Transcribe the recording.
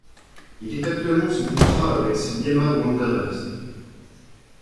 Il est actuellement sous contrat avec Sliema Wanderers.